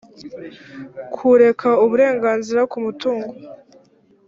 kureka uburenganzira ku mutungo